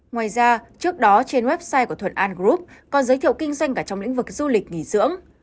ngoài ra trước đó trên website của thuận an group còn giới thiệu kinh doanh cả trong lĩnh vực du lịch nghỉ dưỡng